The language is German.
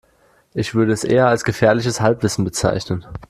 Ich würde es eher als gefährliches Halbwissen bezeichnen.